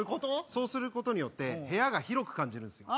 そうすることによって部屋が広く感じるんですよ